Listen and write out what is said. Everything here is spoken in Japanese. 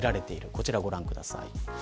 こちらをご覧ください。